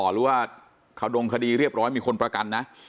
หรือว่าขดงคดีเรียบร้อยมีคนประกันนะ